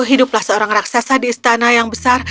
hiduplah seorang raksasa di istana yang besar